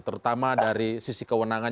terutama dari sisi kewenangan